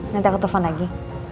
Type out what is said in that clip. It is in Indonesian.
nanti aku telfon lagi